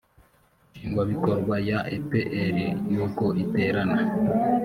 nshingwabikorwa ya epr n uko iterana